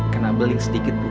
kena beling sedikit bu